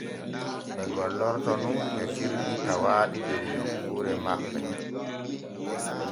Ɓe gollorto nun etirɗi tawaaɗi der nokkuure maɓɓe.